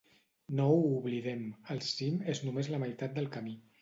No ho oblidem: el cim és només la meitat del camí.